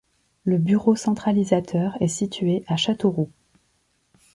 Le bureau centralisateur est situé à Châteauroux.